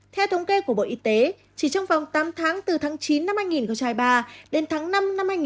theo thống kê của bộ y tế chỉ trong vòng tám tháng từ tháng chín năm hai nghìn ba đến tháng năm năm hai nghìn bốn